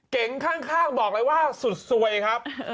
เก๋งข้างบอกเลยว่าสุดสวยครับ